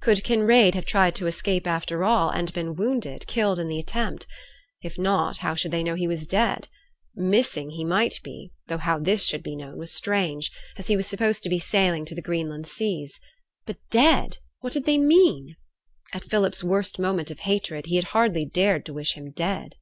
Could Kinraid have tried to escape after all, and been wounded, killed in the attempt? If not, how should they know he was dead? Missing he might be, though how this should be known was strange, as he was supposed to be sailing to the Greenland seas. But dead! What did they mean? At Philip's worst moment of hatred he had hardly dared to wish him dead.